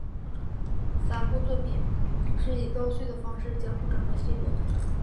三部作品是以倒叙的方式讲述整个系列。